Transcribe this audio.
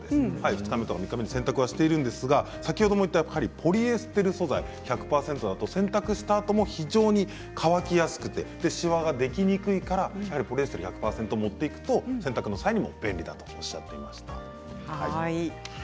２日目、３日目に洗濯しているそうですがポリエステル素材１００％だと洗濯したあとも非常に乾きやすくてしわができにくいからやっぱりポリエステル１００％を持って行くと洗濯の際にも便利だということです。